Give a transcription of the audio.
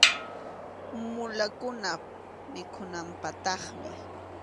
Mulakunap mikhunanpaqtaqmi.